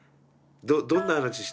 どんな話した？